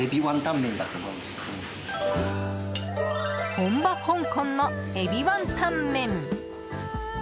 本場・香港のエビワンタン麺。